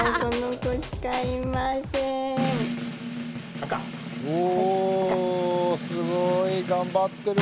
赤はもうおすごい頑張ってる。